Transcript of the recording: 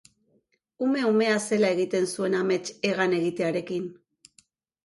Ume umea zela egiten zuen amets hegan egitearekin.